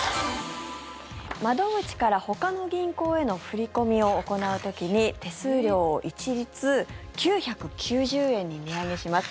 窓口からほかの銀行への振り込みを行う時に手数料を一律９９０円に値上げします。